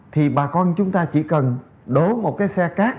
thì bà con chúng ta chỉ cần đổ một cái xe cát